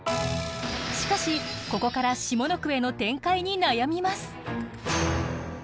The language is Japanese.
しかしここから下の句への展開に悩みます。